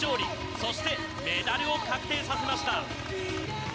そしてメダルを確定させました。